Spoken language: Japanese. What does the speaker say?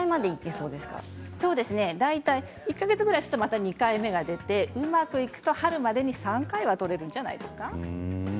１か月すると２回目が出てうまくいくと、春までに３回は取れるんじゃないですか。